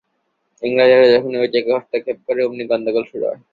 ইংরেজরা যখনই ঐ জায়গায় হস্তক্ষেপ করে, অমনি গণ্ডগোল শুরু হয়।